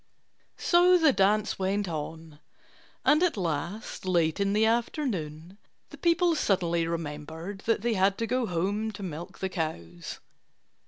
So the dance went on. And at last, late in the afternoon, the people suddenly remembered that they had to go home to milk the cows.